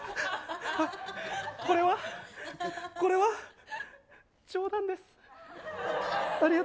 これはこれは冗談です。